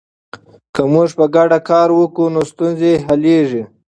که موږ په ګډه کار وکړو نو ستونزې حلیږي.